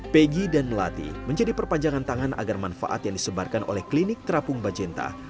pegi dan melati menjadi perpanjangan tangan agar manfaat yang disebarkan oleh klinik terapung bajenta